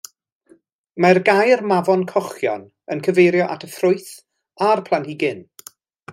Mae'r gair mafon cochion yn cyfeirio at y ffrwyth a'r planhigyn.